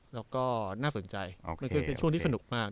แล้วก็น่าสนใจก็คือเป็นช่วงที่สนุกมาก